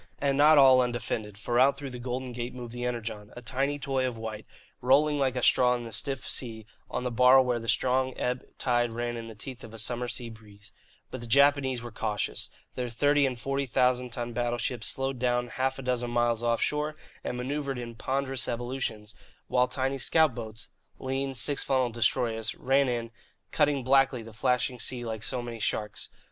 And not all undefended, for out through the Golden Gate moved the Energon, a tiny toy of white, rolling like a straw in the stiff sea on the bar where a strong ebb tide ran in the teeth of the summer sea breeze. But the Japanese were cautious. Their thirty and forty thousand ton battleships slowed down half a dozen miles offshore and manoeuvred in ponderous evolutions, while tiny scout boats (lean, six funnelled destroyers) ran in, cutting blackly the flashing sea like so many sharks.